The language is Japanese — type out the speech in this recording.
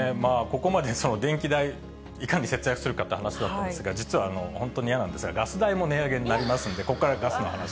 ここまで電気代、いかに節約するかっていう話だったんですが、実は本当に嫌なんですが、ガス代も値上げになりますんで、ここからガスの話。